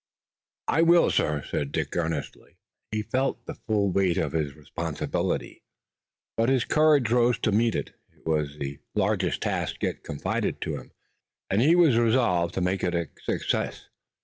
"I will, sir," said Dick earnestly. He felt the full weight of his responsibility, but his courage rose to meet it. It was the largest task yet confided to him, and he was resolved to make it a success.